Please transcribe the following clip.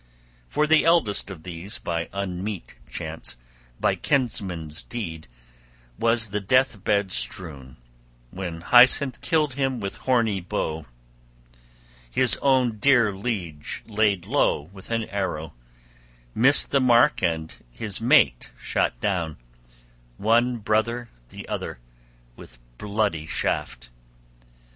For the eldest of these, by unmeet chance, by kinsman's deed, was the death bed strewn, when Haethcyn killed him with horny bow, his own dear liege laid low with an arrow, missed the mark and his mate shot down, one brother the other, with bloody shaft.